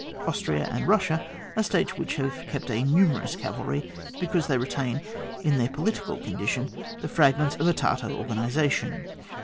Austria and Kussia are states which have kept up a numerous cavalry, because they retain in their political condition the fragments of a Tartar organisation.